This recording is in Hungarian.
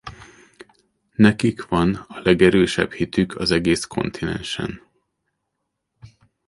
Nekik van a legerősebb hitük az egész kontinensen.